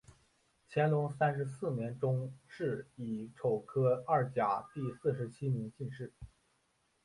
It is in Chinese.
乾隆三十四年中式己丑科二甲第四十七名进士。